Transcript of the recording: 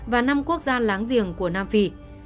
và năm quốc gia láng giềng của nam phi